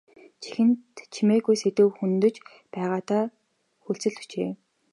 Чихэнд чимэггүй сэдэв хөндөж байгаадаа хүлцэл өчье.